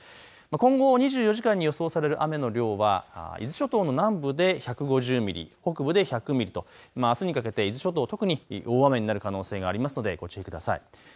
今後２４時間に予想される雨の量は伊豆諸島の南部で１５０ミリ、北部で１００ミリとあすにかけて伊豆諸島、特に大雨になる可能性がありますのでご注意ください。